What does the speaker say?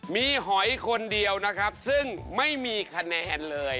มีหอยคนเดียวนะครับซึ่งไม่มีคะแนนเลย